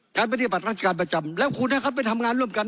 ปฏิบัติราชการประจำแล้วคุณให้เขาไปทำงานร่วมกัน